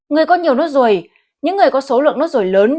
người có nhiều nốt ruồi những người có số lượng nốt rùi lớn